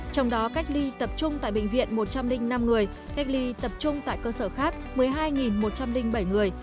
trong đó cách ly tập trung tại bệnh viện một trăm linh năm người cách ly tập trung tại cơ sở khác một mươi hai một trăm linh bảy người